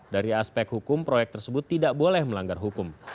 dari aspek hukum proyek tersebut tidak boleh melanggar hukum